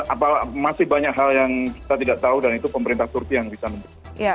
apa masih banyak hal yang kita tidak tahu dan itu pemerintah turki yang bisa membeli